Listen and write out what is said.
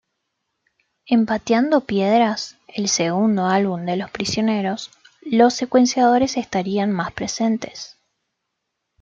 En "Pateando piedras" —el segundo álbum de Los Prisioneros— los secuenciadores estarían más presentes.